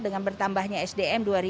dengan bertambahnya sdm dua